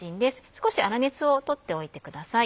少し粗熱を取っておいてください。